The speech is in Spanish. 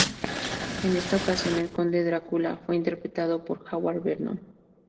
En esta ocasión el conde Drácula fue interpretado por Howard Vernon.